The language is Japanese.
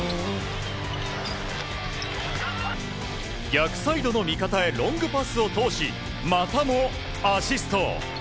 逆サイドの味方へロングパスを通しまたもアシスト。